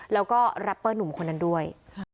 แล้วก็แรปเปอร์หนุ่มคนนั้นด้วย